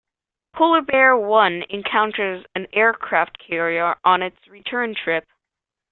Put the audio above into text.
Polar Bear One encounters an aircraft carrier on its return trip.